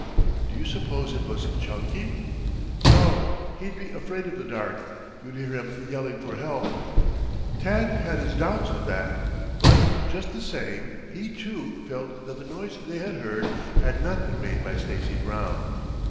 "Do you suppose it was Chunky?" "No. He'd be afraid of the dark. You'd hear him yelling for help." Tad had his doubts of that; but, just the same, he, too, felt that the noise they had heard had not been made by Stacy Brown.